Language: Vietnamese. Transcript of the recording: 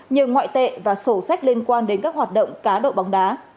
như ngoại tệ và sổ sách liên quan đến các hoạt động cá độ bóng đá